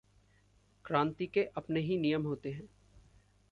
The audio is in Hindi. क्रांति के अपने ही नियम होते है।